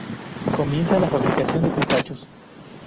Comienza la fabricación de pistachos.